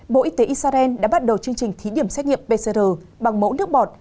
bộ y tế israel đã bắt đầu chương trình thí điểm xét nghiệm pcr bằng mẫu nước bọt